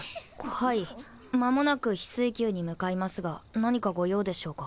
はい間もなく翡翠宮に向かいますが何かご用でしょうか？